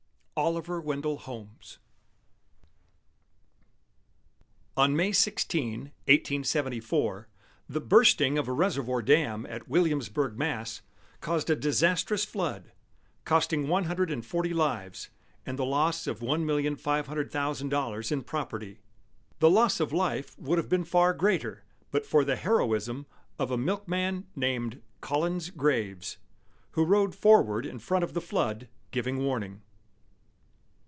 OLIVER WENDELL HOLMES. On May 16, 1874, the bursting of a reservoir dam at Williamsburg, Mass., caused a disastrous flood, costing one hundred and forty lives and the loss of $1,500,000 in property. The loss of life would have been far greater but for the heroism of a milkman named Collins Graves, who rode forward in front of the flood, giving warning.